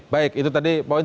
baik itu tadi poin